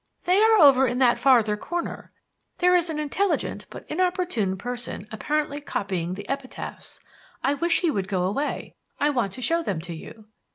"They are over in that farther corner. There is an intelligent, but inopportune, person apparently copying the epitaphs. I wish he would go away. I want to show them to you."